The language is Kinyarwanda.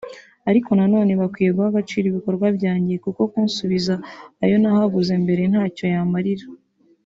Ariko nanone bakwiye guha agaciro ibikorwa byanjye kuko kunsubiza ayo nahaguze mbere ntacyo yamarira